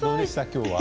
今日は。